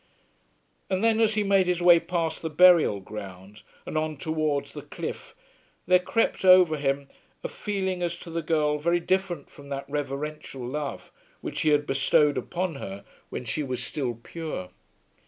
And then as he made his way past the burial ground and on towards the cliff there crept over him a feeling as to the girl very different from that reverential love which he had bestowed upon her when she was still pure.